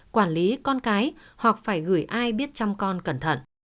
quản lý con cái hoặc phải gửi ai biết chăm con cẩn thận